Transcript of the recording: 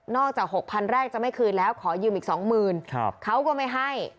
นอกจากหกพันแรกจะไม่คืนแล้วขอยืมอีกสองหมื่นครับเขาก็ไม่ให้